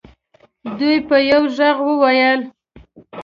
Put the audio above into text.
دوی په یوه ږغ وویل.